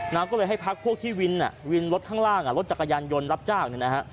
ก็เลยให้พักพวกที่วินอ่ะวินรถข้างล่างอ่ะรถจักรยานยนต์รับจ้างเนี่ยนะฮะ